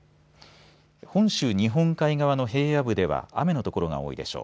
本州、日本海側の平野部では雨の所が多いでしょう。